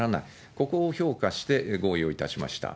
ここを評価して合意をいたしました。